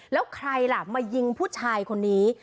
แล้วใครล่ะมายิงผู้ชายคนนี้